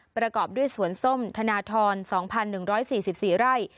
ประกอบด้วยสวนส้มธนทร๒๑๔๔ไร่